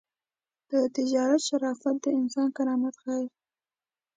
د تجارت شرافت د انسان کرامت ښيي.